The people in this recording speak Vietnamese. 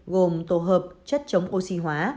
gồm tổ hợp chất chống oxy hóa